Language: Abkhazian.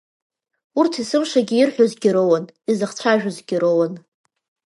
Урҭ есымшагьы ирҳәозгьы роуан, изыхцәажәозгьы роуан.